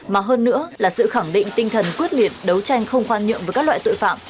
mà hơn nữa là sự khẳng định tinh thần quyết liệt đấu tranh không khoan nhượng với các loại tội phạm